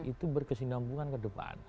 itu berkesinambungan ke depan